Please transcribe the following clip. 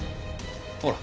ほら。